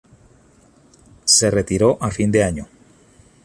Se retiró a fin de año.